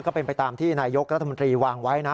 ก็เป็นไปตามที่นายกรัฐมนตรีวางไว้นะ